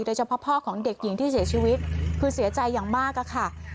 โดยเฉพาะพ่อของเด็กหญิงที่เสียชีวิตคือเสียใจอย่างมากอะค่ะ